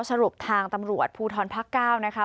สรุปทางตำรวจภูทรพรรคเก้านะคะ